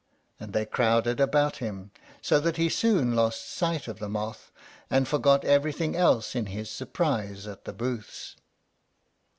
and they crowded about him, so that he soon lost sight of the moth, and forgot everything else in his surprise at the booths.